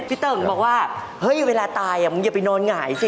เติ่งบอกว่าเฮ้ยเวลาตายมึงอย่าไปนอนหงายสิ